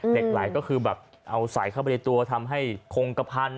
เหล็กไหลก็คือแบบเอาใส่เข้าไปในตัวทำให้คงกระพัน